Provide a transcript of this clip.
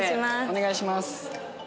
お願いします。